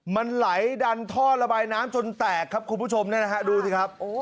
มันไหลดันท่อระบายน้ำจนแตกครับคุณผู้ชมเนี่ยนะฮะดูสิครับ